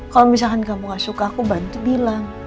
kalau misalkan kamu gak suka aku bantu bilang